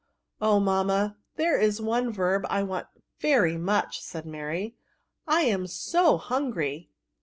'^ Oh, mamma, there is one verb I want very much," said Mary ;" I am so hungry."